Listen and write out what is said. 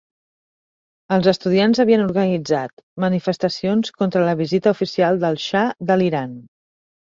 Els estudiants havien organitzat manifestacions contra la visita oficial del Xa de l'Iran.